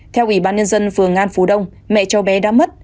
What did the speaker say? theo ủy ban nhân dân phường an phú đông mẹ cháu bé đã mất